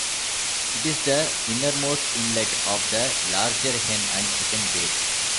It is the innermost inlet of the larger Hen and Chicken Bay.